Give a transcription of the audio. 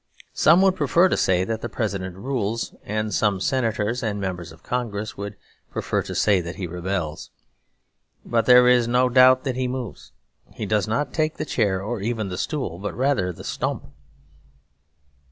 Some would prefer to say that the President rules; and some Senators and members of Congress would prefer to say that he rebels. But there is no doubt that he moves; he does not take the chair or even the stool, but rather the stump.